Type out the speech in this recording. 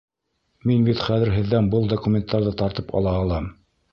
Мин бит хәҙер һеҙҙән был документтарҙы тартып ала алам.